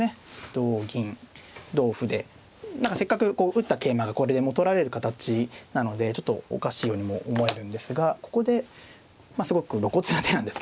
同銀同歩で何かせっかく打った桂馬がこれでもう取られる形なのでちょっとおかしいようにも思えるんですがここですごく露骨な手なんですけどね